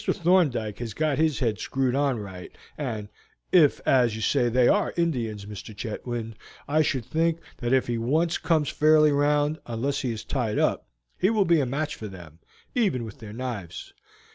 Thorndyke has got his head screwed on right, and if, as you say, they are Indians, Mr. Chetwynd, I should think that if he once comes fairly round, unless he is tied up, he will be a match for them, even with their knives.